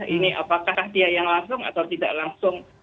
ini apakah dia yang langsung atau tidak langsung